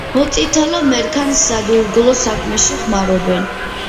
მოწითალო მერქანს სადურგლო საქმეში ხმარობენ.